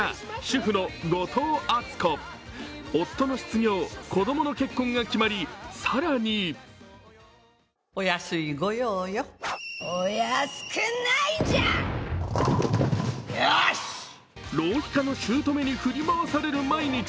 夫の失業、子供の結婚が決まり、更に浪費家のしゅうとめに振り回される毎日。